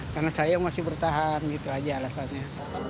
karena saya masih bertahan gitu aja alasannya